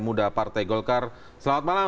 muda partai golkar selamat malam